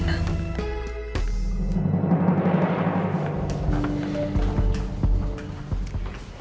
tenang ya yasa tenang